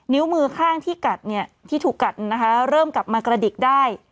นิ้วมือข้างที่กัดเนี่ยที่ถูกกัดนะคะเริ่มกลับมากระดิกได้